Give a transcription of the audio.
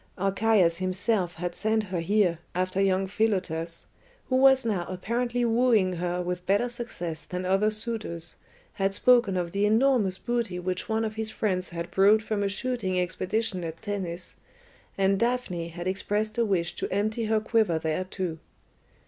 Archias himself had sent her here, after young Philotas, who was now apparently wooing her with better success than other suitors, had spoken of the enormous booty which one of his friends had brought from a shooting expedition at Tennis, and Daphne had expressed a wish to empty her quiver there too.